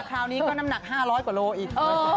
คราวนี้ก็น้ำหนัก๕๐๐กว่าโลอีก